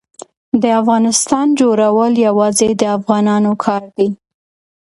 د افغانستان جوړول یوازې د افغانانو کار دی.